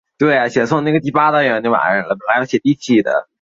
袋萼黄耆为豆科黄芪属的植物。